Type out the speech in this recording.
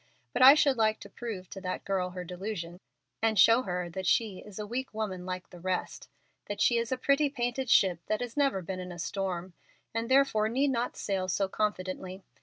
But I should like to prove to that girl her delusion, and show her that she is a weak woman like the rest; that she is a pretty painted ship that has never been in a storm, and therefore need not sail so confidently.